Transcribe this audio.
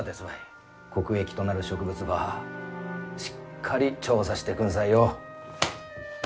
国益となる植物ばしっかり調査してくんさいよ。